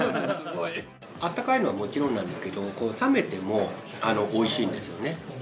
あったかいのはもちろんなんだけど、冷めてもおいしいんですよね。